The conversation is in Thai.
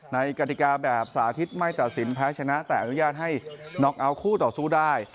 กฎิกาแบบสาธิตไม่ตัดสินแพ้ชนะแต่อนุญาตให้น็อกเอาท์คู่ต่อสู้ได้